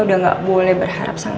lu udah gak boleh berharap sama dia